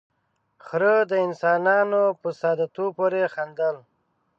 ، خره د انسانانو په ساده توب پورې خندل.